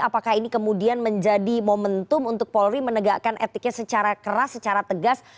apakah ini kemudian menjadi momentum untuk polri menegakkan etiknya secara keras secara tegas